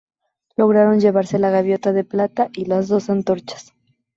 Lograron llevarse la gaviota de plata y las dos antorchas.